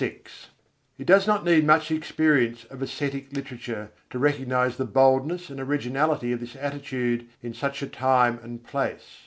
] It does not need much experience of ascetic literature to recognize the boldness and originality of this attitude in such a time and place.